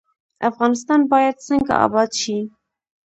افغانستان باید څنګه اباد شي؟